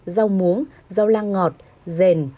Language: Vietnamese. rau muống rau lang ngọt rèn